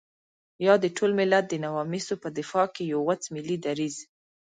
يا د ټول ملت د نواميسو په دفاع کې يو غوڅ ملي دريځ.